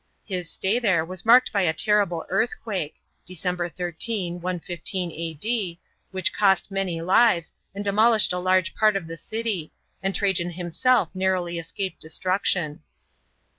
His stay there was marked by a terrible earthquake (Dec. 13, 115 A.D.) which cost many lives and demolished a large part of the city, and Trajan himself narrowly escaped destruction.